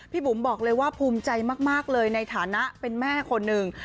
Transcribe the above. บุ๋มบอกเลยว่าภูมิใจมากเลยในฐานะเป็นแม่คนหนึ่ง